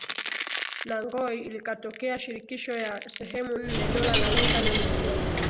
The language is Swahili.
na Ngoy likatokea shirikisho ya sehemu nne Dola la Lunda lilikuwa